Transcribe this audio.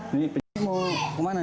ini penyihmu kemana